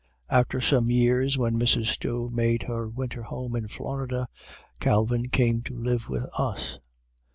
After some years, when Mrs. Stowe made her winter home in Florida, Calvin came to live with us.